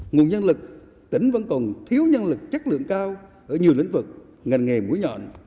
nguồn nhân lực tỉnh vẫn còn thiếu nhân lực chất lượng cao ở nhiều lĩnh vực ngành nghề mũi nhọn